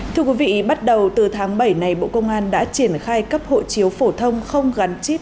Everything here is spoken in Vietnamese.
thưa quý vị bắt đầu từ tháng bảy này bộ công an đã triển khai cấp hộ chiếu phổ thông không gắn chip